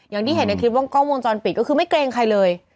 อย่างที่เห็นในคลิปวงกล้องวงจรปิดก็คือไม่เกรงใครเลย